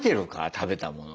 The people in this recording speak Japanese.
食べたものを。